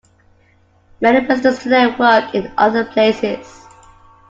Many residents today work in other places.